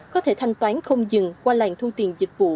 có thể thanh toán không dừng qua làn thu tiền dịch vụ